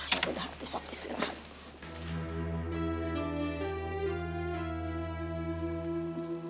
ya udah sab istirahat